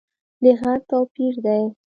د غږ توپیر دی